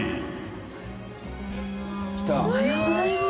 おはようございます。